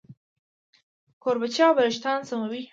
کوربچې او بالښتان سموي.